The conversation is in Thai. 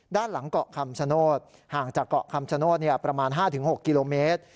ด้านหลังเกาะคำชโนธห่างจากเกาะคำชโนธประมาณ๕๖กิโลเมตร